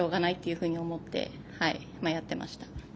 ふうに思ってやってました。